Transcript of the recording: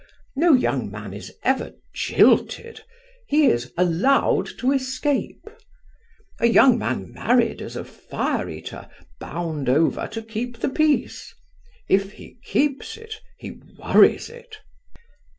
No young man is ever jilted; he is allowed to escape. A young man married is a fire eater bound over to keep the peace; if he keeps it he worries it.